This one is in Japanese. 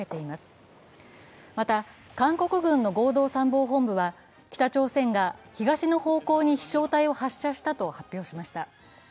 また、韓国軍の合同参謀本部は北朝鮮が東の方向に飛翔体を発射したと発表しました。